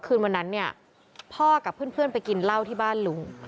คืนวันนั้นเนี่ยพ่อกับเพื่อนไปกินเหล้าที่บ้านลุง